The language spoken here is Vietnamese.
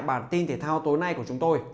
bản tin thể thao tối nay của chúng tôi